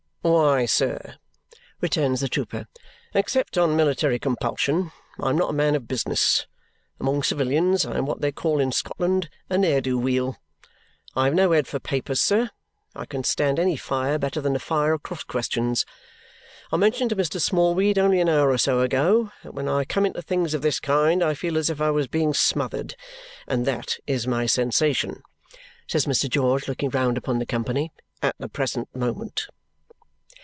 "Why, sir," returns the trooper. "Except on military compulsion, I am not a man of business. Among civilians I am what they call in Scotland a ne'er do weel. I have no head for papers, sir. I can stand any fire better than a fire of cross questions. I mentioned to Mr. Smallweed, only an hour or so ago, that when I come into things of this kind I feel as if I was being smothered. And that is my sensation," says Mr. George, looking round upon the company, "at the present moment."